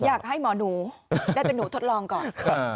อยากให้หมอหนูได้เป็นหนูทดลองก่อน